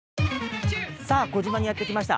さあ児島にやって来ました。